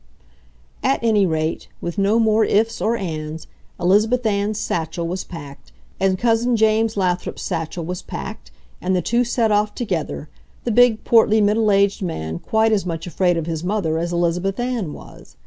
At any rate, with no more ifs or ands, Elizabeth Ann's satchel was packed, and Cousin James Lathrop's satchel was packed, and the two set off together, the big, portly, middle aged man quite as much afraid of his mother as Elizabeth Ann was.